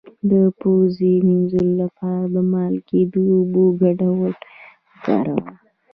د پوزې د مینځلو لپاره د مالګې او اوبو ګډول وکاروئ